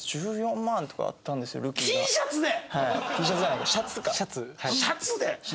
シャツで？